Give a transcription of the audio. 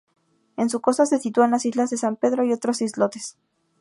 En su costa se sitúan las Islas de San Pedro y otros islotes.